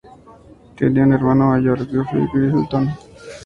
Tenía un hermano mayor, Geoffrey Elton.